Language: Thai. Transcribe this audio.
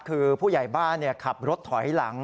คือผู้ใหญ่บ้านขับรถถอยหลัง